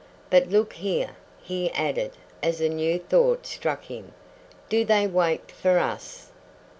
But look here," he added as a new thought struck him, "do they wait for us?"